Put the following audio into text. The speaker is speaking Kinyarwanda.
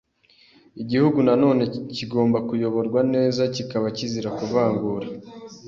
Igihugu nanone kigomba kuyoborwa neza kikaba kizira kuvangura,